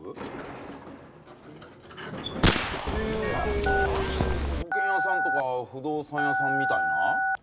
はいうんというと保険屋さんとか不動産屋さんみたいな？